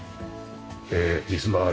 え水回り。